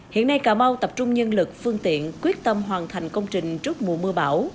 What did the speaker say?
hiện nay cà mau tập trung nhân lực phương tiện quyết tâm hoàn thành công trình trước mùa mưa bão